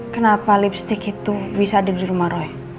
kenapa lipstick itu bisa ada di rumah roy